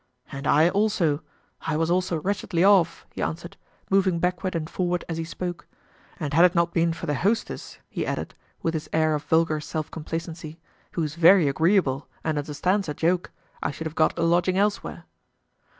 "And I, also—I was also wretchedly off," he answered, moving backward and forward as he spoke; "and had it not been for the hostess," he added, with his air of vulgar self complacency, "who is very agreeable and understands a joke, I should have got a lodging elsewhere."